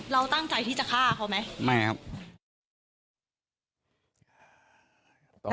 แล้วตั้งใจที่จะฆ่าเค้าไหม